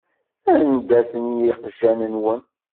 Anda-ten yiqjan-nwen?